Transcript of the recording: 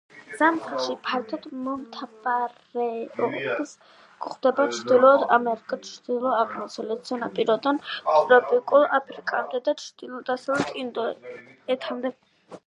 ზამთარში ფართოდ მომთაბარეობს; გვხვდება ჩრდილოეთ ამერიკის ჩრდილო-აღმოსავლეთ სანაპიროდან ტროპიკულ აფრიკამდე და ჩრდილო-დასავლეთ ინდოეთამდე.